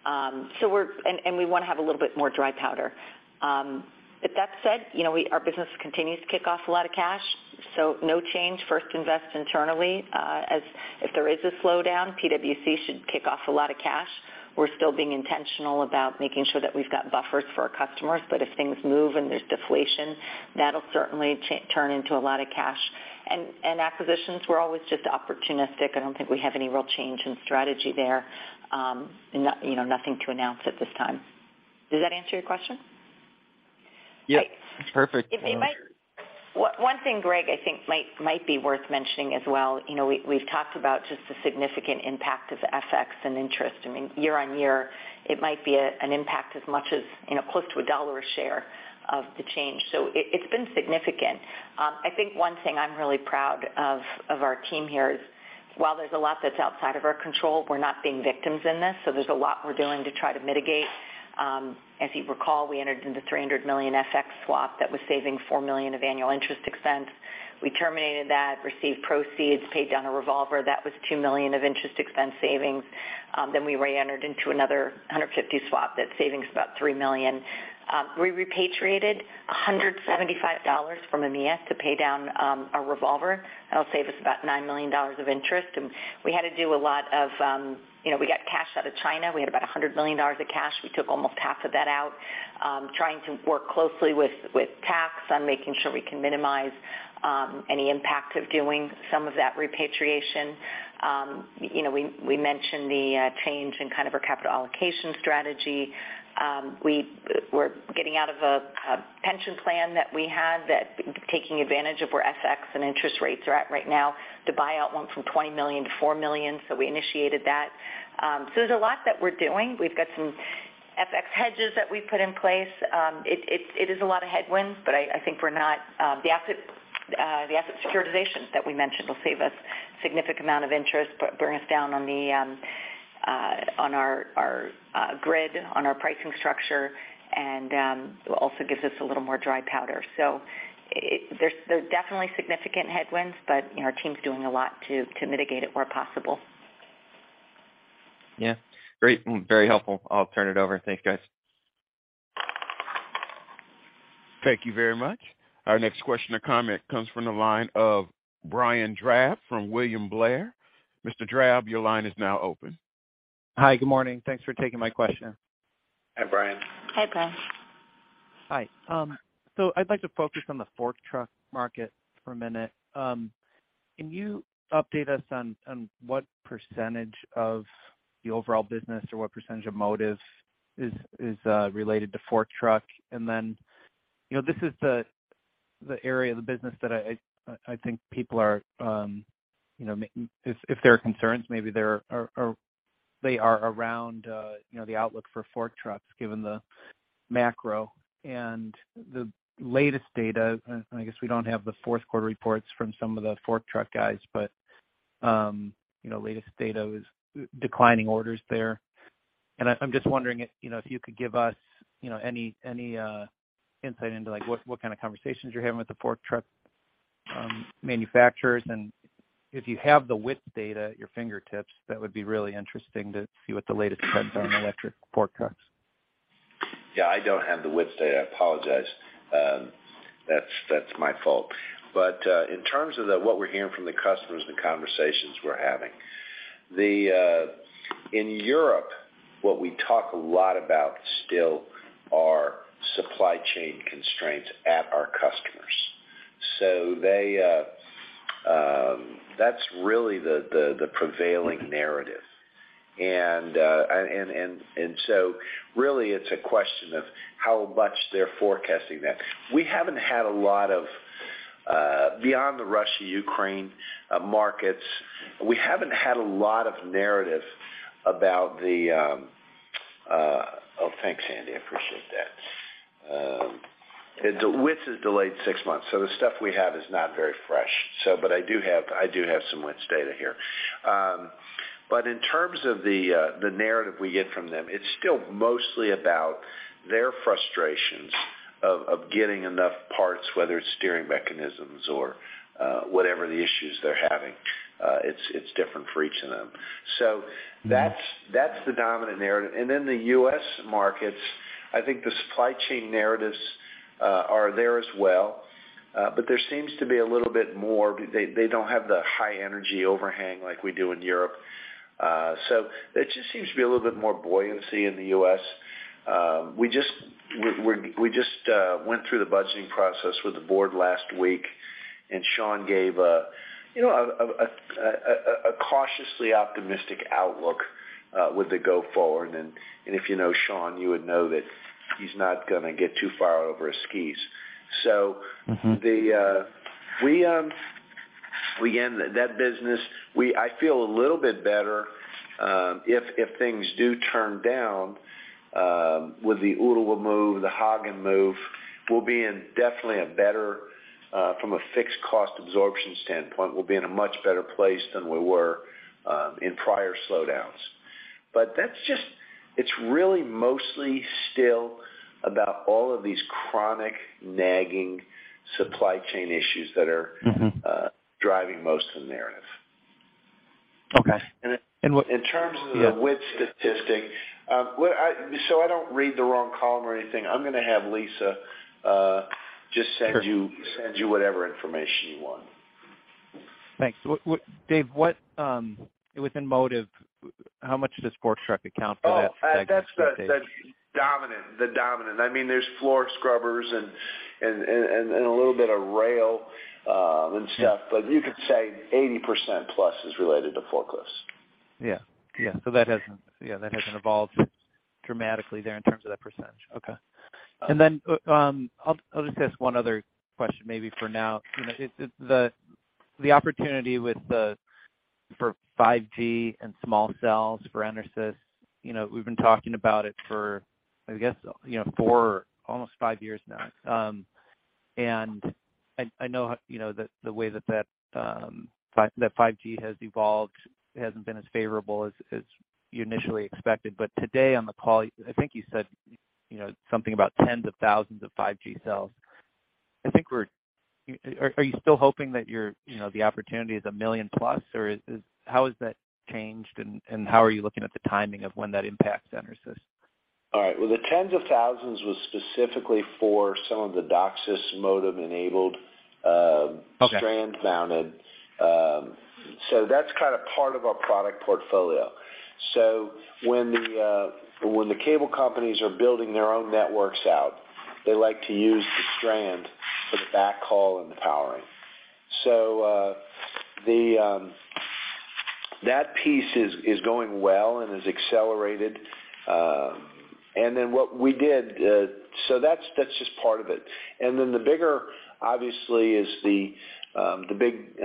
Speaker 4: And we wanna have a little bit more dry powder. That said, you know, our business continues to kick off a lot of cash, so no change. First invest internally. As if there is a slowdown, POC should kick off a lot of cash. We're still being intentional about making sure that we've got buffers for our customers, but if things move and there's deflation, that'll certainly turn into a lot of cash. Acquisitions, we're always just opportunistic. I don't think we have any real change in strategy there. You know, nothing to announce at this time. Does that answer your question?
Speaker 6: Yep.
Speaker 4: Right.
Speaker 6: It's perfect.
Speaker 4: If they might... one thing, Greg, I think might be worth mentioning as well, you know, we've talked about just the significant impact of FX and interest. I mean, year on year it might be an impact as much as, you know, close to $1 a share of the change. It's been significant. I think one thing I'm really proud of our team here is while there's a lot that's outside of our control, we're not being victims in this. There's a lot we're doing to try to mitigate. As you recall, we entered into $300 million FX swap that was saving $4 million of annual interest expense. We terminated that, received proceeds, paid down a revolver. That was $2 million of interest expense savings. We reentered into another $150 swap. That's saving us about $3 million. We repatriated $175 from EMEA to pay down our revolver. That'll save us about $9 million of interest. We had to do a lot of, you know, we got cash out of China. We had about $100 million of cash. We took almost half of that out. Trying to work closely with tax on making sure we can minimize any impact of doing some of that repatriation. You know, we mentioned the change in kind of our capital allocation strategy. We're getting out of a pension plan that we had that, taking advantage of where FX and interest rates are at right now. The buyout went from $20 million to $4 million, so we initiated that. There's a lot that we're doing. We've got some FX hedges that we put in place. It is a lot of headwinds, but I think we're not... The asset securitization that we mentioned will save us significant amount of interest, but bring us down on the on our grid, on our pricing structure and also gives us a little more dry powder. There's definitely significant headwinds, but, you know, our team's doing a lot to mitigate it where possible.
Speaker 6: Yeah. Great. Very helpful. I'll turn it over. Thanks, guys.
Speaker 1: Thank you very much. Our next question or comment comes from the line of Brian Drab from William Blair. Mr. Drab, your line is now open.
Speaker 7: Hi. Good morning. Thanks for taking my question.
Speaker 3: Hi, Brian.
Speaker 4: Hi, Brian.
Speaker 7: Hi. I'd like to focus on the fork truck market for a minute. Can you update us on what percentage of the overall business or what percentage of Motive is related to fork truck? You know, this is the area of the business that I think people are, you know, if there are concerns, maybe they are around, you know, the outlook for fork trucks given the macro. The latest data, and I guess we don't have the fourth quarter reports from some of the fork truck guys, but, you know, latest data was declining orders there. I'm just wondering if, you know, if you could give us, you know, any insight into, like, what kind of conversations you're having with the fork truck manufacturers. If you have the WID data at your fingertips, that would be really interesting to see what the latest trends are in electric fork trucks.
Speaker 3: Yeah, I don't have the WID data. I apologize. That's my fault. In terms of what we're hearing from the customers and conversations we're having, in Europe, what we talk a lot about still are supply chain constraints at our customers. They, that's really the prevailing narrative. Really it's a question of how much they're forecasting that. We haven't had a lot of beyond the Russia-Ukraine markets, we haven't had a lot of narrative about the. Oh, thanks, Andi. I appreciate that. WITS is delayed six months, so the stuff we have is not very fresh. But I do have some WITS data here. In terms of the narrative we get from them, it's still mostly about their frustrations of getting enough parts, whether it's steering mechanisms or whatever the issues they're having. It's different for each of them. That's the dominant narrative. In the U.S. markets, I think the supply chain narratives are there as well, there seems to be a little bit more. They don't have the high energy overhang like we do in Europe. There just seems to be a little bit more buoyancy in the U.S. We just went through the budgeting process with the board last week, Sean gave a, you know, cautiously optimistic outlook with the go forward. If you know Sean, you would know that he's not gonna get too far over his skis.
Speaker 7: Mm-hmm.
Speaker 3: The, we in that business, I feel a little bit better, if things do turn down, with the Ooltewah move, the Hagen move, we'll be in definitely a better, from a fixed cost absorption standpoint, we'll be in a much better place than we were, in prior slowdowns. It's really mostly still about all of these chronic nagging supply chain issues that are.
Speaker 7: Mm-hmm.
Speaker 3: Driving most of the narrative.
Speaker 7: Okay. what-
Speaker 3: In terms of the WITS statistic, I don't read the wrong column or anything, I'm gonna have Lisa, just send you whatever information you want.
Speaker 7: Thanks. What, Dave, what, within Motive, how much does fork truck account for that segment?
Speaker 3: Oh, that's the dominant, the dominant. I mean, there's floor scrubbers and a little bit of rail, and stuff, but you could say 80% plus is related to forklifts.
Speaker 7: Yeah. Yeah, that hasn't evolved dramatically there in terms of that percentage. Okay. I'll just ask one other question maybe for now. You know, the opportunity for 5G and small cells for EnerSys, you know, we've been talking about it for, I guess, you know, four, almost five years now. I know, you know, the way that 5G has evolved hasn't been as favorable as you initially expected. Today on the call, I think you said, you know, something about tens of thousands of 5G cells. Are you still hoping that your, you know, the opportunity is 1 million plus, or is... How has that changed and how are you looking at the timing of when that impacts EnerSys?
Speaker 3: All right. Well, the tens of thousands was specifically for some of the DOCSIS modem-enabled,
Speaker 7: Okay.
Speaker 3: Strand mounted. That's kind of part of our product portfolio. When the cable companies are building their own networks out, they like to use the strand for the backhaul and the powering. That piece is going well and has accelerated. What we did. That's just part of it. The bigger, obviously, is the big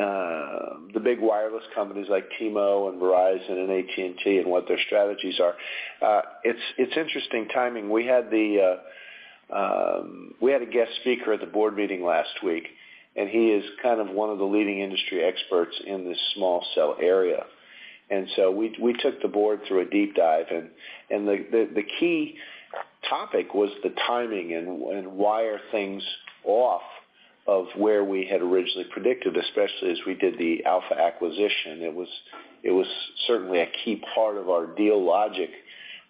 Speaker 3: wireless companies like T-Mo and Verizon and AT&T and what their strategies are. It's interesting timing. We had a guest speaker at the board meeting last week. He is kind of one of the leading industry experts in this small cell area. We took the board through a deep dive and the key topic was the timing and why are things off of where we had originally predicted, especially as we did the Alpha acquisition. It was certainly a key part of our deal logic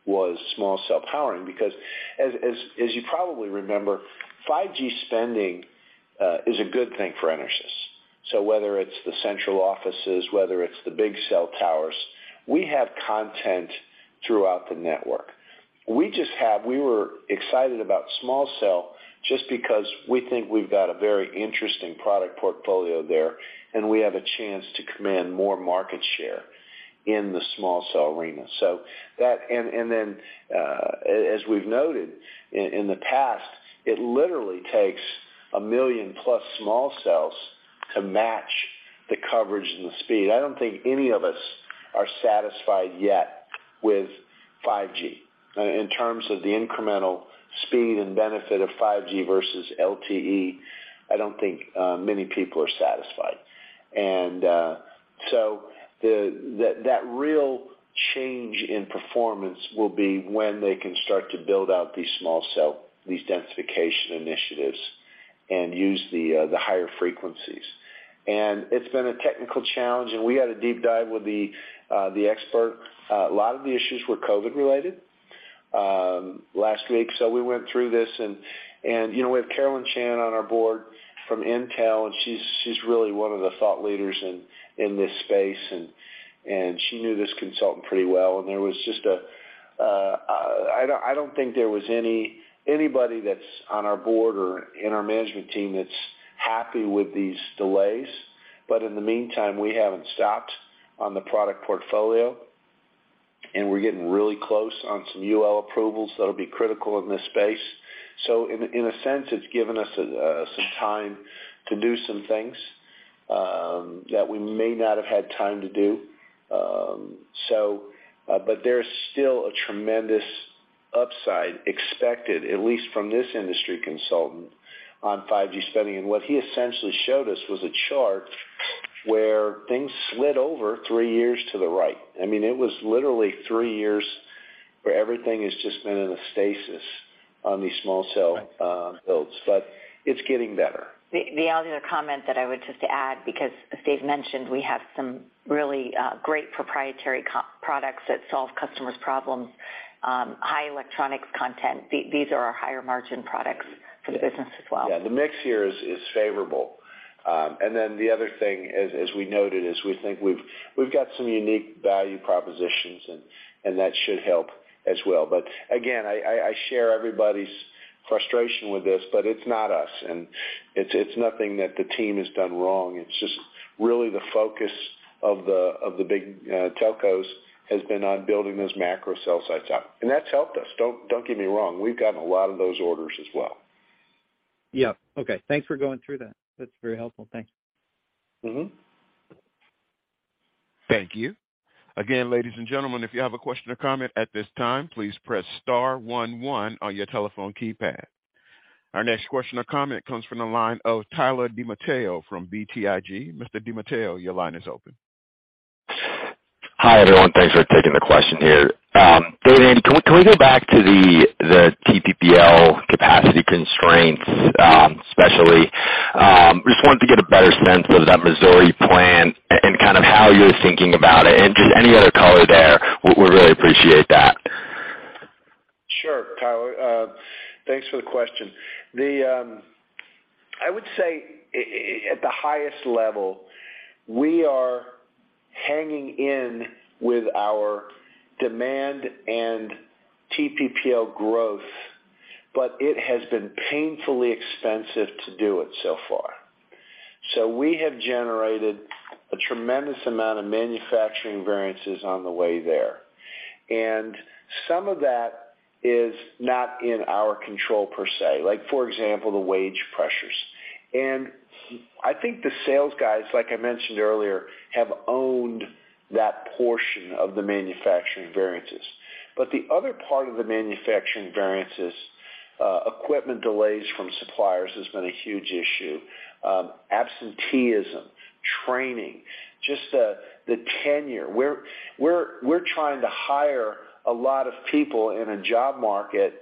Speaker 3: was small cell powering because as you probably remember, 5G spending is a good thing for EnerSys. Whether it's the central offices, whether it's the big cell towers, we have content throughout the network. We were excited about small cell just because we think we've got a very interesting product portfolio there, and we have a chance to command more market share in the small cell arena. Then, as we've noted in the past, it literally takes 1 million-plus small cells to match the coverage and the speed. I don't think any of us are satisfied yet with 5G. In terms of the incremental speed and benefit of 5G versus LTE, I don't think many people are satisfied. That real change in performance will be when they can start to build out these small cell, these densification initiatives and use the higher frequencies. It's been a technical challenge, and we had a deep dive with the expert. A lot of the issues were COVID related last week. We went through this and, you know, we have Caroline Chan on our board from Intel, and she's really one of the thought leaders in this space, and she knew this consultant pretty well. I don't think there was anybody that's on our board or in our management team that's happy with these delays. In the meantime, we haven't stopped on the product portfolio, and we're getting really close on some UL approvals that'll be critical in this space. In a sense, it's given us some time to do some things that we may not have had time to do. There's still a tremendous upside expected, at least from this industry consultant on 5G spending. What he essentially showed us was a chart where things slid over three years to the right. I mean, it was literally three years where everything has just been in a stasis on these small cell builds, but it's getting better.
Speaker 4: The other comment that I would just add, because as Dave mentioned, we have some really great proprietary products that solve customers' problems, high electronics content. These are our higher margin products for the business as well.
Speaker 3: Yeah, the mix here is favorable. Then the other thing as we noted is we think we've got some unique value propositions, and that should help as well. Again, I share everybody's frustration with this, but it's not us. It's nothing that the team has done wrong. It's just really the focus of the big telcos has been on building those macro cell sites up. That's helped us. Don't get me wrong, we've gotten a lot of those orders as well.
Speaker 7: Yeah. Okay. Thanks for going through that. That's very helpful. Thanks.
Speaker 3: Mm-hmm.
Speaker 1: Thank you. Again, ladies and gentlemen, if you have a question or comment at this time, please press star one one on your telephone keypad. Our next question or comment comes from the line of Tyler DiMatteo from BTIG. Mr. DeMateo, your line is open.
Speaker 8: Hi, everyone. Thanks for taking the question here. David, can we go back to the TPPL capacity constraints, especially? Just wanted to get a better sense with that Missouri plant and kind of how you're thinking about it and just any other color there. We really appreciate that.
Speaker 3: Sure, Tyler. Thanks for the question. I would say at the highest level, we are hanging in with our demand and TPPL growth. It has been painfully expensive to do it so far. We have generated a tremendous amount of manufacturing variances on the way there, and some of that is not in our control per se, like for example, the wage pressures. I think the sales guys, like I mentioned earlier, have owned that portion of the manufacturing variances. The other part of the manufacturing variances, equipment delays from suppliers has been a huge issue. Absenteeism, training, just the tenure. We're trying to hire a lot of people in a job market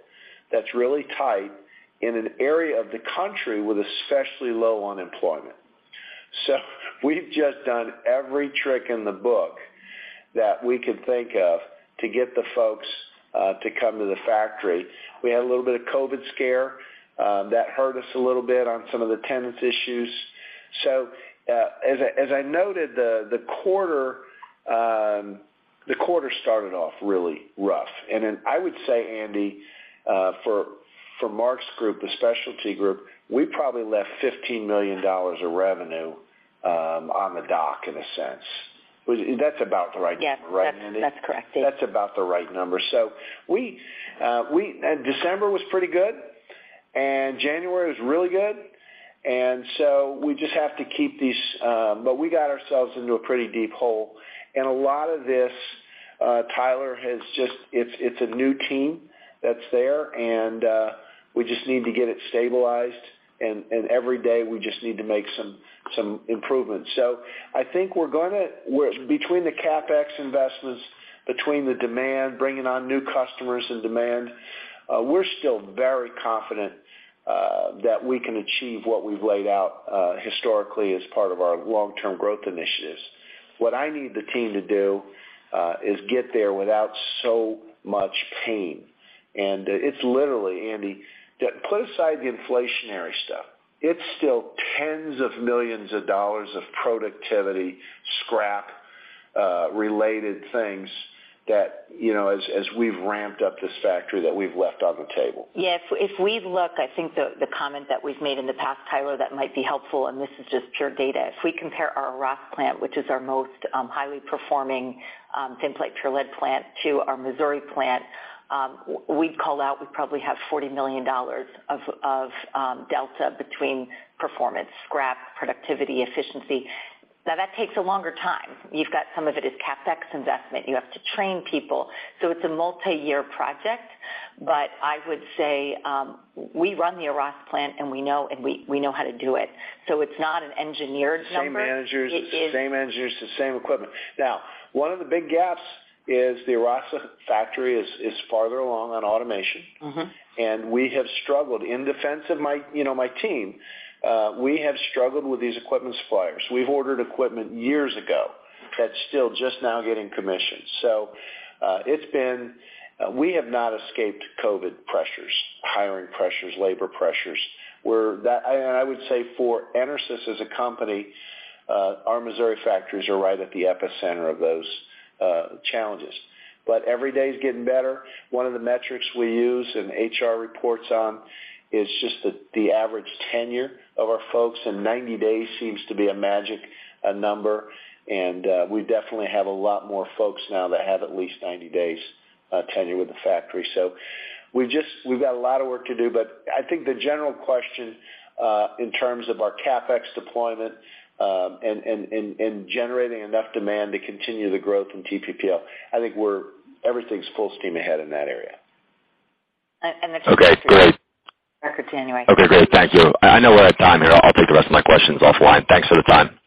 Speaker 3: that's really tight in an area of the country with especially low unemployment. We've just done every trick in the book that we could think of to get the folks to come to the factory. We had a little bit of COVID scare that hurt us a little bit on some of the tenants issues. As I noted, the quarter started off really rough. Then I would say, Andi, for Mark's group, the specialty group, we probably left $15 million of revenue on the dock in a sense. That's about the right number, right, Andi?
Speaker 4: Yes. That's correct.
Speaker 3: That's about the right number. December was pretty good, and January was really good. We just have to keep these. We got ourselves into a pretty deep hole. A lot of this, Tyler, it's a new team that's there and, we just need to get it stabilized and, every day we just need to make some improvements. I think we're between the CapEx investments, between the demand, bringing on new customers and demand, we're still very confident that we can achieve what we've laid out, historically as part of our long-term growth initiatives. What I need the team to do, is get there without so much pain. It's literally, Andi, put aside the inflationary stuff. It's still tens of millions of dollars of productivity, scrap, related things that, you know, as we've ramped up this factory that we've left on the table.
Speaker 4: Yeah. If we look, I think the comment that we've made in the past, Tyler, that might be helpful. This is just pure data. If we compare our Arras plant, which is our most highly performing Thin Plate Pure Lead plant to our Missouri plant, we'd call out we probably have $40 million of delta between performance, scrap, productivity, efficiency. Now, that takes a longer time. You've got some of it is CapEx investment. You have to train people. It's a multi-year project. I would say, we run the Arras plant and we know, and we know how to do it. It's not an engineered number.
Speaker 3: Same managers.
Speaker 4: It is-
Speaker 3: Same engineers, the same equipment. One of the big gaps is the Arras factory is farther along on automation.
Speaker 4: Mm-hmm.
Speaker 3: We have struggled. In defense of my, you know, my team, we have struggled with these equipment suppliers. We've ordered equipment years ago that's still just now getting commissioned. It's been. We have not escaped COVID pressures, hiring pressures, labor pressures. I would say for EnerSys as a company, our Missouri factories are right at the epicenter of those challenges. Every day is getting better. One of the metrics we use and HR reports on is just the average tenure of our folks, and 90 days seems to be a magic number. We definitely have a lot more folks now that have at least 90 days tenure with the factory. We've just got a lot of work to do. I think the general question, in terms of our CapEx deployment, and generating enough demand to continue the growth in TPPL, everything's full steam ahead in that area.
Speaker 4: And the-
Speaker 8: Okay, great.
Speaker 4: Record tenure.
Speaker 8: Okay, great. Thank you. I know we're at time here. I'll take the rest of my questions offline. Thanks for the time.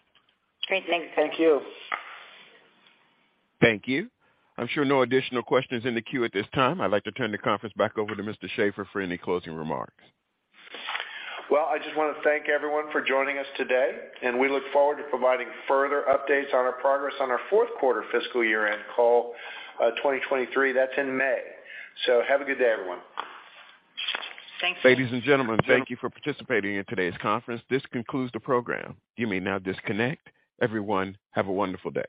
Speaker 4: Great. Thank you.
Speaker 3: Thank you.
Speaker 1: Thank you. I'm sure no additional questions in the queue at this time. I'd like to turn the conference back over to Mr. Shaffer for any closing remarks.
Speaker 3: I just wanna thank everyone for joining us today. We look forward to providing further updates on our progress on our fourth quarter fiscal year-end call, 2023. That's in May. Have a good day, everyone.
Speaker 4: Thanks.
Speaker 1: Ladies and gentlemen, thank you for participating in today's conference. This concludes the program. You may now disconnect. Everyone, have a wonderful day.